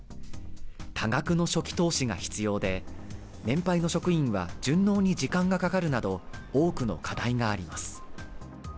多額の初期投資が必要で年配の職員は順応に時間がかかるなど多くの課題があります